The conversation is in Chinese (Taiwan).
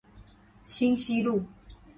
興西路